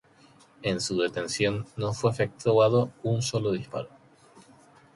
En su detención no fue efectuado un sólo disparo.